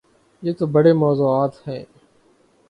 یہ تو بڑے موضوعات ہیں۔